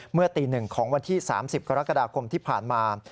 เมื่อตี๑ของวันที่๓๐กรกฎาคมที่ผ่านมา